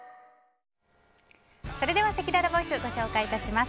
せきららボイスご紹介いたします。